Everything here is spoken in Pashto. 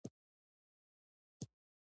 د مجبورۍ له مخې معافول بې ارزښته دي.